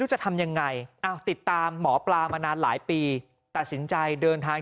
จะทำยังไงติดตามหมอปลามานานหลายปีตัดสินใจเดินทาง